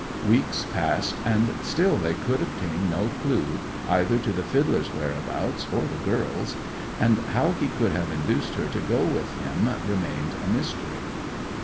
Weeks passed, and still they could obtain no clue either to the fiddler's whereabouts or the girl's; and how he could have induced her to go with him remained a mystery.